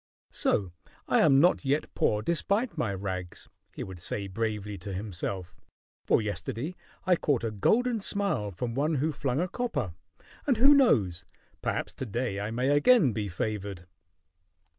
"So I am not yet poor, despite my rags," he would say bravely to himself. "For yesterday I caught a golden smile from one who flung a copper; and who knows? Perhaps to day I may again be favored."